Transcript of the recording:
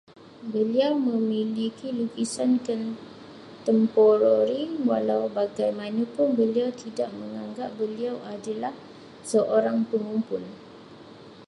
Beliau memiliki lukisan kontemporari, walaubagaimanapun beliau tidak menganggap beliau adalah seorang pengumpul